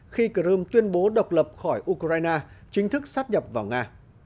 khi crime tuyên bố độc lập khỏi ukraine chính thức sát nhập vào nga